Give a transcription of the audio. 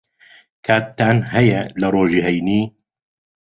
کاتتان ھەیە لە ڕۆژی ھەینی؟